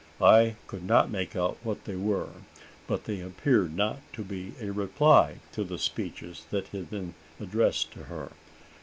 I could not make out what they were; but they appeared not to be a reply to the speeches that had been addressed to her.